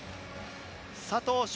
佐藤翔